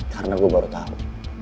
karena gue baru tau